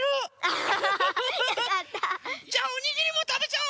ハハハハハ。じゃあおにぎりもたべちゃおう！